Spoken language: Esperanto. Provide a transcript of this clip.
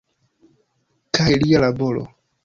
Kaj lia laboro.